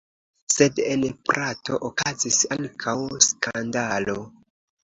Sed en Prato okazis ankaŭ skandalo.